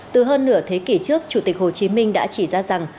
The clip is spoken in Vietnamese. từ hơn nửa thế kỷ trước chủ tịch hồ chí minh đã chỉ ra rằng